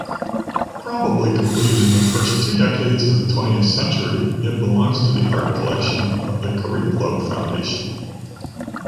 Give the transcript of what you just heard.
Probably completed in the first two decades of the Twentieth Century, it belongs to the art collection of the Cariplo Foundation.